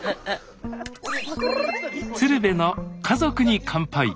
「鶴瓶の家族に乾杯」。